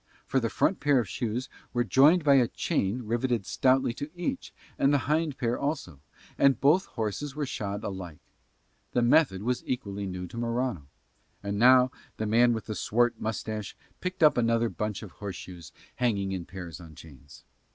For the front pair of shoes were joined by a chain riveted stoutly to each, and the hind pair also; and both horses were shod alike. The method was equally new to Morano. And now the man with the swart moustache picked up another bunch of horseshoes hanging in pairs on chains.